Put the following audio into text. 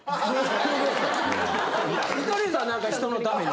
見取り図はなんか人のために。